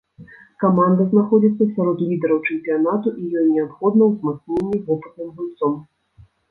Каманда знаходзіцца сярод лідараў чэмпіянату і ёй неабходна ўзмацненне вопытным гульцом.